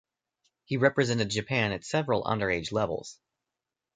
He represented Japan at several underage levels.